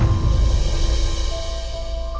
seandainya kamu tau mas